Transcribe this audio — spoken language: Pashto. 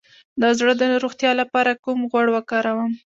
د زړه د روغتیا لپاره کوم غوړ وکاروم؟